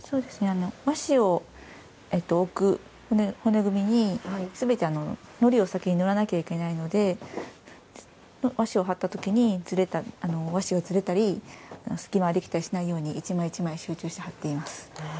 和紙を置く骨組みにすべて、のりを先に塗らないといけないので和紙を張った時に和紙がずれたり隙間ができたりしないように一枚一枚、集中して張っています。